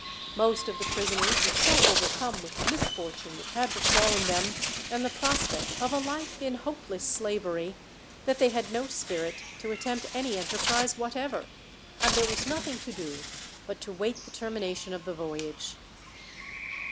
Most of the prisoners were so overcome with the misfortune which had befallen them, and the prospect of a life in hopeless slavery, that they had no spirit to attempt any enterprise whatever, and there was nothing to do but to wait the termination of the voyage.